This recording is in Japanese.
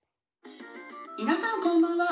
「みなさんこんばんは。